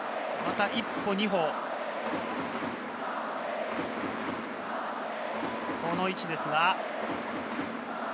また一歩二歩、この位置ですが。